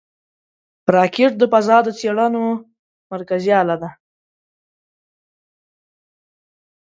راکټ د فضا د څېړنو مرکزي اله ده